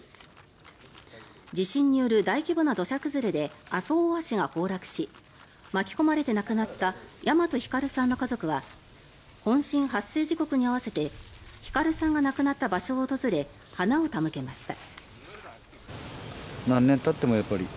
地震による大規模な土砂崩れで阿蘇大橋が崩落し巻き込まれて亡くなった大和晃さんの家族は本震発生時刻に合わせて晃さんが亡くなった場所を訪れ花を手向けました。